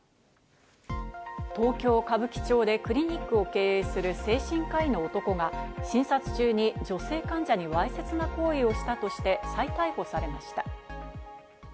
東京・歌舞伎町でクリニックを経営する精神科医の男が診察中に女性患者にわいせつな行為をしたとして再逮捕されました。